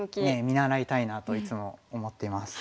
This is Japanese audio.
見習いたいなといつも思ってます。